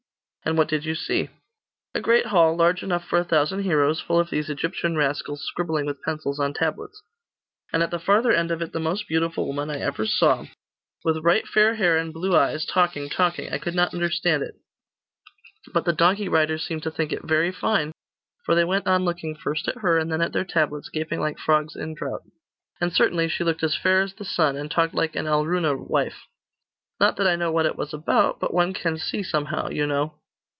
'And what did you see?' 'A great hall, large enough for a thousand heroes, full of these Egyptian rascals scribbling with pencils on tablets. And at the farther end of it the most beautiful woman I ever saw with right fair hair and blue eyes, talking, talking I could not understand it; but the donkey riders seemed to think it very fine; for they went on looking first at her, and then at their tablets, gaping like frogs in drought. And, certainly, she looked as fair as the sun, and talked like an Alruna wife. Not that I knew what it was about, but one can see somehow, you know.